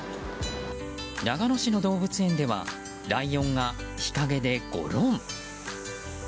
長野市の動物園ではライオンが日陰でゴロン。